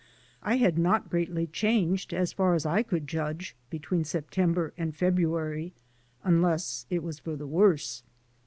I had not greatly changed, as far as I could judge, between Sep tember and February, unless it was for the worse.